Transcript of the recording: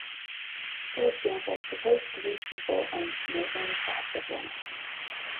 For example, suppose three people owned neighboring plots of land.